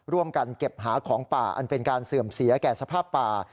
ร่วมกันเก็บหาของป่าอันเป็นการเสื่อมเสียแก่สภาพป่า